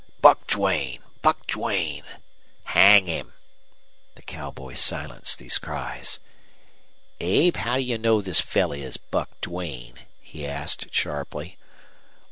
"Buck Duane! Buck Duane!" "Hang him!" The cowboy silenced these cries. "Abe, how do you know this fellow is Buck Duane?" he asked, sharply.